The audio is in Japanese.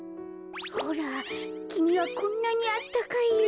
ほらきみはこんなにあったかいよ。